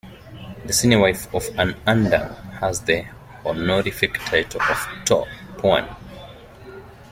The senior wife of an Undang has the honorific title of "To' Puan".